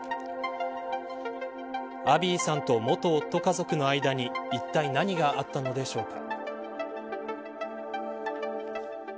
アビーさんと元夫家族の間にいったい何があったのでしょうか。